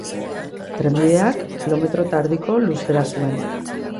Trenbideak kilometro eta erdiko luzera zuen.